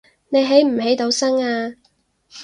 你起唔起到身呀